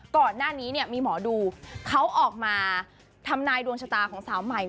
ก่อนหน้านี้เนี่ยมีหมอดูเขาออกมาทำนายดวงชะตาของสาวใหม่